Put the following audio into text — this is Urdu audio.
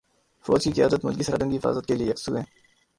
فوج کی قیادت ملکی سرحدوں کی حفاظت کے لیے یکسو ہے۔